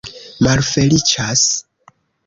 malfeliĉas